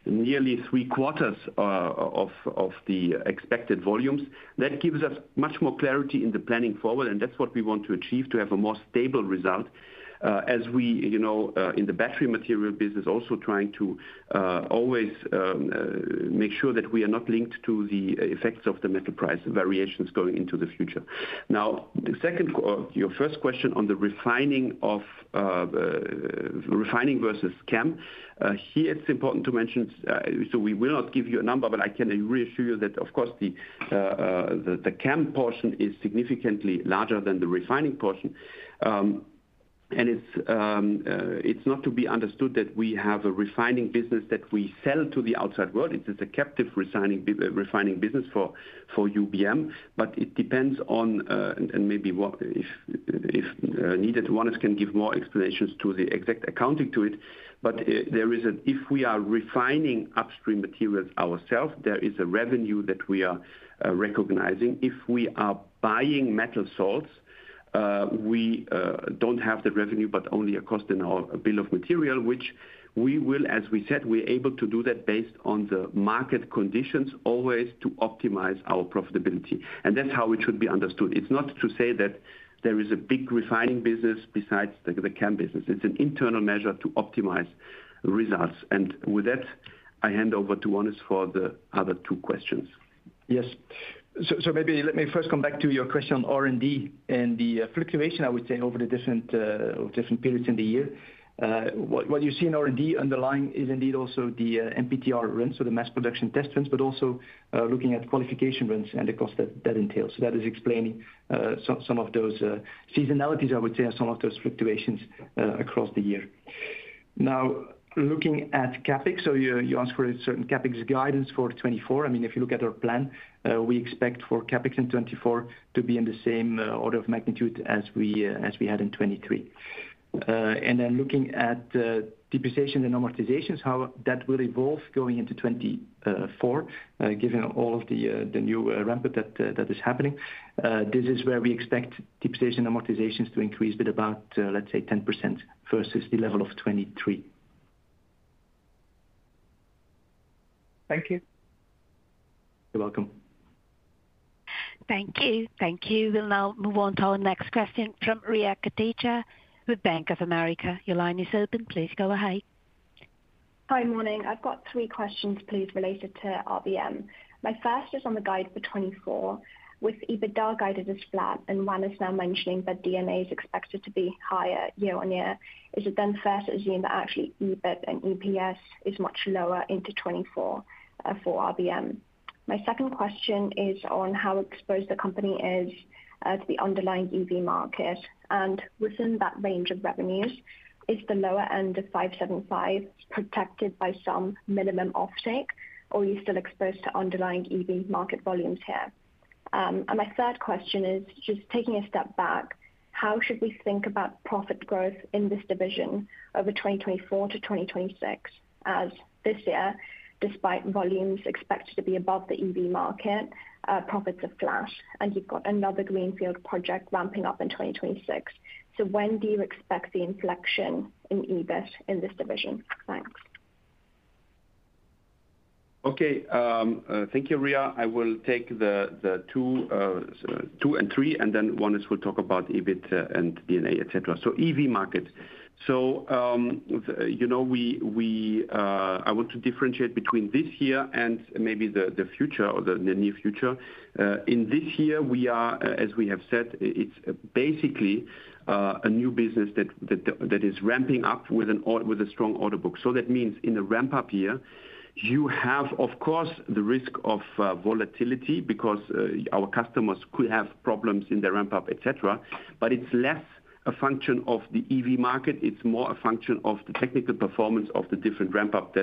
nearly 3/4 of the expected volumes, that gives us much more clarity in the planning forward. And that's what we want to achieve, to have a more stable result as we, in the battery material business, also trying to always make sure that we are not linked to the effects of the metal price variations going into the future. Now, your first question on the refining versus CAM, here, it's important to mention, so we will not give you a number. But I can reassure you that, of course, the CAM portion is significantly larger than the refining portion. It's not to be understood that we have a refining business that we sell to the outside world. It is a captive refining business for UBM. But it depends on and maybe if needed, Wannes can give more explanations to the exact accounting to it. But there is a, if we are refining upstream materials ourselves, there is a revenue that we are recognizing. If we are buying metal salts, we don't have the revenue but only a cost in our bill of material, which we will as we said, we're able to do that based on the market conditions, always to optimize our profitability. And that's how it should be understood. It's not to say that there is a big refining business besides the CAM business. It's an internal measure to optimize results. And with that, I hand over to Wannes for the other two questions. Yes. So maybe let me first come back to your question on R&D and the fluctuation, I would say, over the different periods in the year. What you see in R&D underlying is indeed also the MPTR runs, so the mass production test runs, but also looking at qualification runs and the cost that entails. So that is explaining some of those seasonalities, I would say, and some of those fluctuations across the year. Now, looking at CapEx, so you asked for a certain CapEx guidance for 2024. I mean, if you look at our plan, we expect for CapEx in 2024 to be in the same order of magnitude as we had in 2023. And then looking at depreciation and amortizations, how that will evolve going into 2024, given all of the new ramp-up that is happening, this is where we expect depreciation and amortizations to increase by about, let's say, 10% versus the level of 2023. Thank you You're welcome. Thank you. Thank you. We'll now move on to our next question from Riya Kotecha with Bank of America. Your line is open. Please go ahead. Hi, morning. I've got three questions, please, related to RBM. My first is on the guide for 2024. With EBITDA guided as flat and Wannes now mentioning that DNA is expected to be higher year-on-year, is it then fair to assume that actually EBIT and EPS is much lower into 2024 for RBM? My second question is on how exposed the company is to the underlying EV market. And within that range of revenues, is the lower end of 575 protected by some minimum offtake? Or are you still exposed to underlying EV market volumes here? And my third question is, just taking a step back, how should we think about profit growth in this division over 2024 to 2026? As this year, despite volumes expected to be above the EV market, profits are flat. And you've got another greenfield project ramping up in 2026. So when do you expect the inflection in EBIT in this division? Thanks. Okay. Thank you, Riya. I will take the two and three. And then Wannes will talk about EBIT and DNA, et cetera. So EV market. So you know we I want to differentiate between this year and maybe the future or the near future. In this year, we are as we have said, it's basically a new business that is ramping up with a strong order book. So that means in a ramp-up year, you have, of course, the risk of volatility because our customers could have problems in their ramp-up, et cetera. But it's less a function of the EV market. It's more a function of the technical performance of the different ramp-ups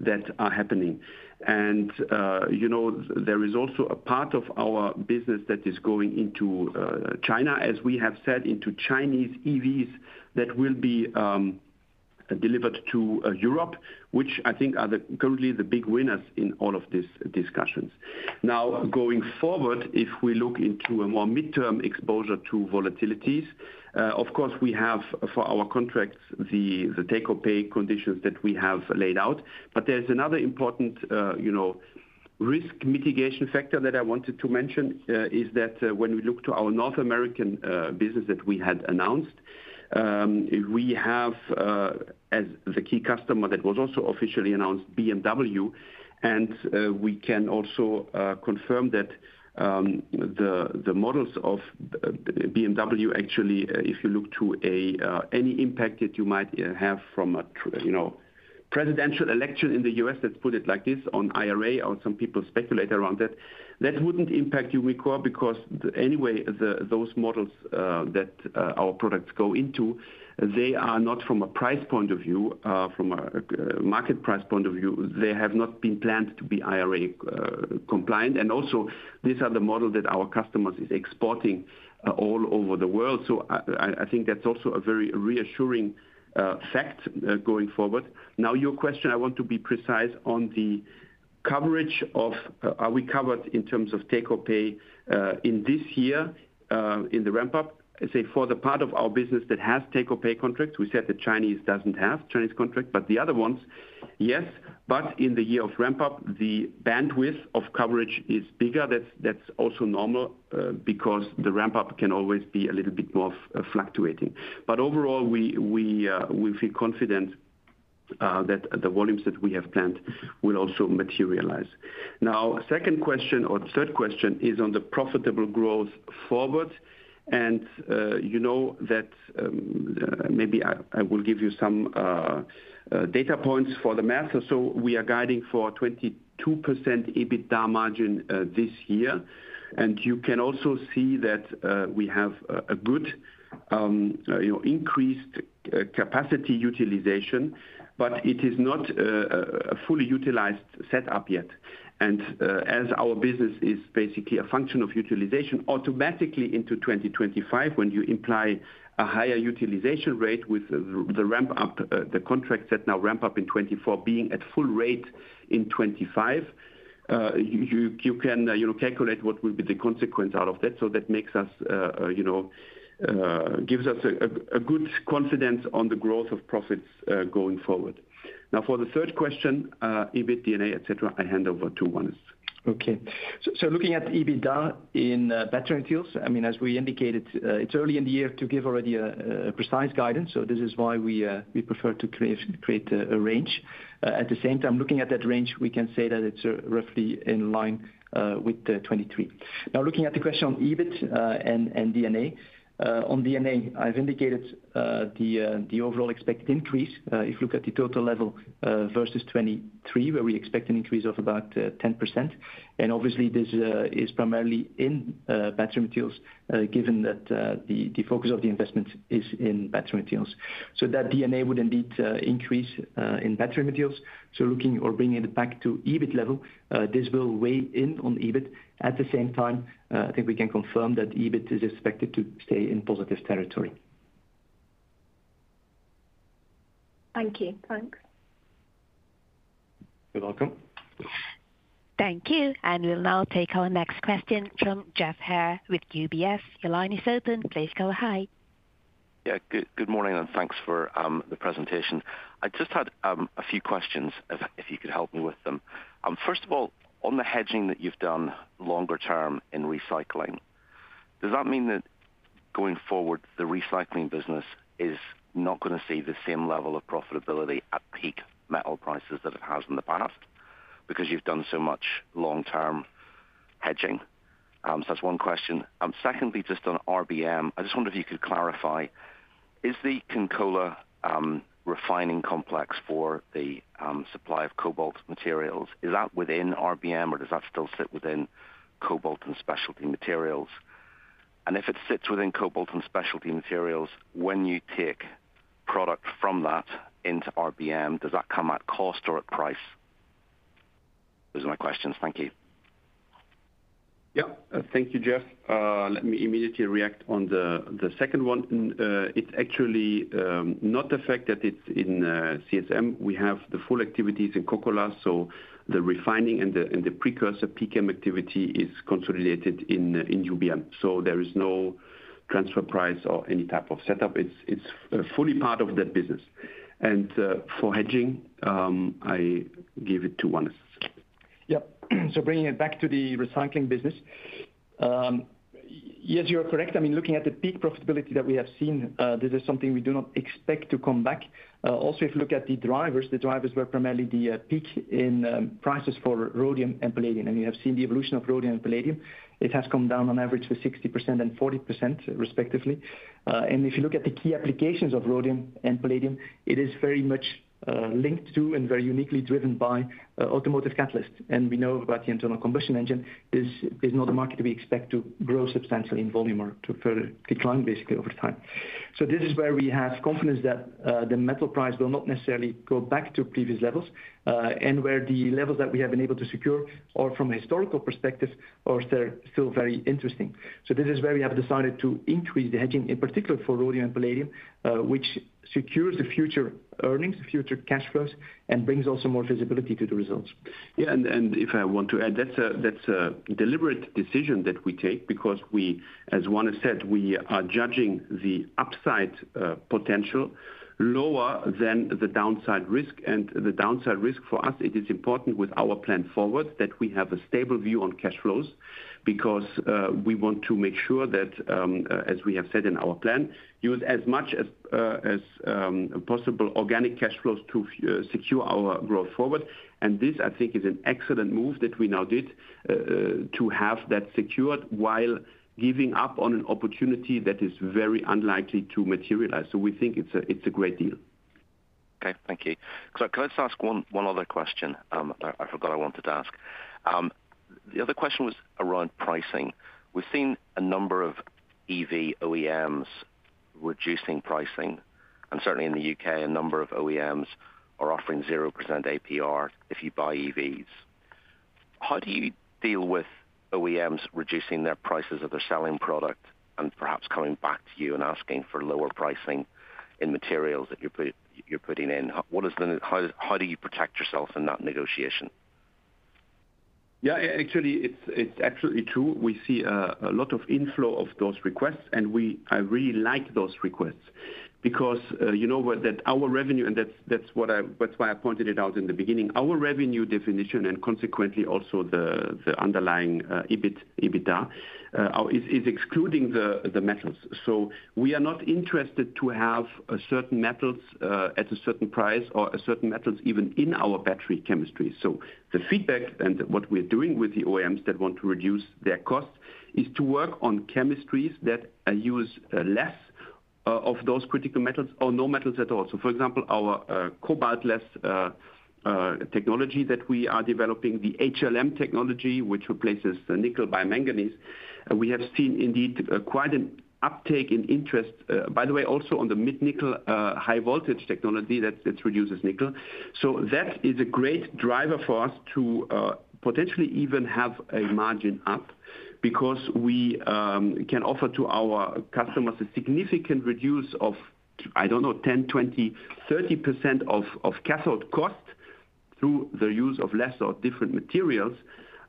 that are happening. You know there is also a part of our business that is going into China, as we have said, into Chinese EVs that will be delivered to Europe, which I think are currently the big winners in all of these discussions. Now, going forward, if we look into a more midterm exposure to volatilities, of course, we have for our contracts the take-or-pay conditions that we have laid out. But there's another important you know risk mitigation factor that I wanted to mention is that when we look to our North American business that we had announced, we have, as the key customer that was also officially announced, BMW. And we can also confirm that the models of BMW actually, if you look to any impact that you might have from a presidential election in the U.S., let's put it like this, on IRA or some people speculate around that, that wouldn't impact Umicore. Because anyway, those models that our products go into, they are not from a price point of view, from a market price point of view, they have not been planned to be IRA compliant. And also, these are the models that our customers are exporting all over the world. So I think that's also a very reassuring fact going forward. Now, your question, I want to be precise on the coverage of are we covered in terms of take-or-pay in this year in the ramp-up? I say for the part of our business that has take-or-pay contracts, we said the Chinese doesn't have Chinese contracts. But the other ones, yes. But in the year of ramp-up, the bandwidth of coverage is bigger. That's also normal because the ramp-up can always be a little bit more fluctuating. But overall, we feel confident that the volumes that we have planned will also materialise. Now, second question or third question is on the profitable growth forward. And you know that maybe I will give you some data points for the math. So we are guiding for 22% EBITDA margin this year. And you can also see that we have a good increased capacity utilization. But it is not a fully utilized setup yet. As our business is basically a function of utilization, automatically into 2025, when you imply a higher utilization rate with the ramp-up the contracts that now ramp up in 2024 being at full rate in 2025, you can calculate what will be the consequence out of that. So that makes us, you know, gives us a good confidence on the growth of profits going forward. Now, for the third question, EBIT, DNA, et cetera, I hand over to Wannes. Okay. So looking at EBITDA in battery materials, I mean, as we indicated, it's early in the year to give already a precise guidance. So this is why we prefer to create a range. At the same time, looking at that range, we can say that it's roughly in line with 2023. Now, looking at the question on EBIT and DNA, on DNA, I've indicated the overall expected increase, if you look at the total level, versus 2023, where we expect an increase of about 10%. And obviously, this is primarily in battery materials, given that the focus of the investment is in battery materials. So that DNA would indeed increase in battery materials. So looking or bringing it back to EBIT level, this will weigh in on EBIT. At the same time, I think we can confirm that EBIT is expected to stay in positive territory. Thank you. Thanks. You're welcome. Thank you. And we'll now take our next question from Geoff Haire with UBS. Your line is open. Please go ahead. Yeah. Good morning. And thanks for the presentation. I just had a few questions, if you could help me with them. First of all, on the hedging that you've done longer term in recycling, does that mean that going forward, the recycling business is not going to see the same level of profitability at peak metal prices that it has in the past? Because you've done so much long-term hedging. So that's one question. Secondly, just on RBM, I just wonder if you could clarify, is the Kokkola refining complex for the supply of cobalt materials is that within RBM? Or does that still sit within cobalt and specialty materials? And if it sits within cobalt and specialty materials, when you take product from that into RBM, does that come at cost or at price? Those are my questions. Thank you. Yeah. Thank you, Geoff. Let me immediately react on the second one. It's actually not the fact that it's in CSM. We have the full activities in Kokkola. So the refining and the precursor pCAM activity is consolidated in UBM. So there is no transfer price or any type of setup. It's fully part of that business. And for hedging, I give it to Wannes. Yeah. So bringing it back to the recycling business, yes, you are correct. I mean, looking at the peak profitability that we have seen, this is something we do not expect to come back. Also, if you look at the drivers, the drivers were primarily the peak in prices for rhodium and palladium. And you have seen the evolution of rhodium and palladium. It has come down on average by 60% and 40%, respectively. And if you look at the key applications of rhodium and palladium, it is very much linked to and very uniquely driven by automotive catalysts. And we know about the internal combustion engine. This is not a market we expect to grow substantially in volume or to further decline, basically, over time. So this is where we have confidence that the metal price will not necessarily go back to previous levels and where the levels that we have been able to secure are from a historical perspective or if they're still very interesting. So this is where we have decided to increase the hedging, in particular for rhodium and palladium, which secures the future earnings, the future cash flows, and brings also more visibility to the results. Yeah. And if I want to add, that's a deliberate decision that we take because we, as Wannes said, we are judging the upside potential lower than the downside risk. The downside risk for us, it is important with our plan forward that we have a stable view on cash flows because we want to make sure that, as we have said in our plan, use as much as possible organic cash flows to secure our growth forward. And this, I think, is an excellent move that we now did to have that secured while giving up on an opportunity that is very unlikely to materialize. So we think it's a great deal. Okay. Thank you. So can I just ask one other question? I forgot I wanted to ask. The other question was around pricing. We've seen a number of EV OEMs reducing pricing. And certainly in the U.K., a number of OEMs are offering 0% APR if you buy EVs. How do you deal with OEMs reducing their prices of their selling product and perhaps coming back to you and asking for lower pricing in materials that you're putting in? How do you protect yourself in that negotiation? Yeah. Actually, it's absolutely true. We see a lot of inflow of those requests. I really like those requests because you know that our revenue and that's why I pointed it out in the beginning, our revenue definition and consequently also the underlying EBITDA is excluding the metals. So we are not interested to have certain metals at a certain price or certain metals even in our battery chemistry. The feedback and what we're doing with the OEMs that want to reduce their costs is to work on chemistries that use less of those critical metals or no metals at all. For example, our cobalt-less technology that we are developing, the HLM technology, which replaces nickel by manganese, we have seen indeed quite an uptake in interest, by the way, also on the mid-nickel high-voltage technology that reduces nickel. That is a great driver for us to potentially even have a margin up because we can offer to our customers a significant reduction of, I don't know, 10, 20, 30% of cathode cost through the use of less or different materials.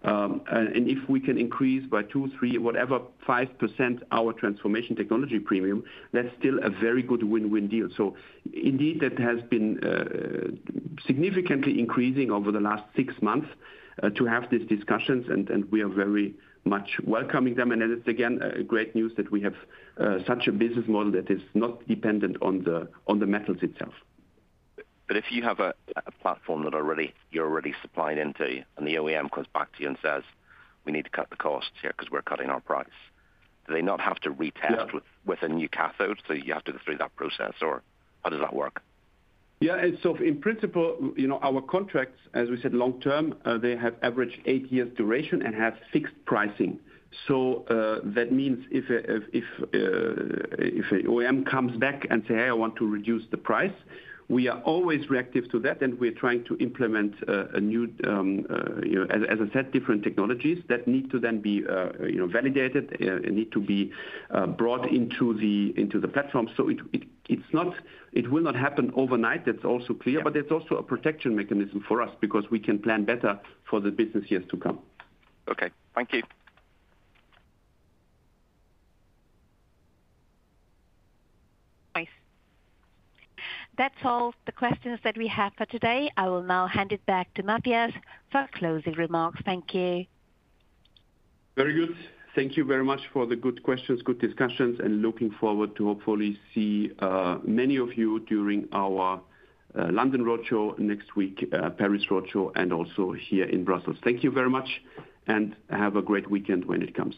If we can increase by two, three, whatever, five percent our transformation technology premium, that's still a very good win-win deal. Indeed, that has been significantly increasing over the last six months to have these discussions. We are very much welcoming them. It's, again, great news that we have such a business model that is not dependent on the metals itself. But if you have a platform that you're already supplying into and the OEM comes back to you and says, "We need to cut the costs here because we're cutting our price," do they not have to retest with a new cathode? So you have to go through that process. Or how does that work? Yeah. So in principle, our contracts, as we said, long term, they have average eight years duration and have fixed pricing. So that means if an OEM comes back and says, "Hey, I want to reduce the price," we are always reactive to that. And we are trying to implement a new, as I said, different technologies that need to then be validated, need to be brought into the platform. So it will not happen overnight. That's also clear. But it's also a protection mechanism for us because we can plan better for the business years to come. Okay. Thank you. Nice. That's all the questions that we have for today. I will now hand it back to Mathias for closing remarks. Thank you. Very good. Thank you very much for the good questions, good discussions. And looking forward to hopefully see many of you during our London roadshow next week, Paris roadshow, and also here in Brussels. Thank you very much. And have a great weekend when it comes.